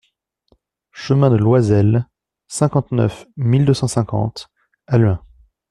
Chemin de Loisel, cinquante-neuf mille deux cent cinquante Halluin